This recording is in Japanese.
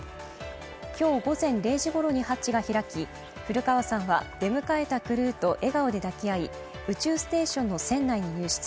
今日午前０時ごろにハッチが開き、古川さんは出迎えたクルーと笑顔で抱き合い、宇宙ステーションの船内に入室。